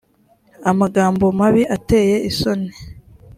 amagambo mabi ateye isoni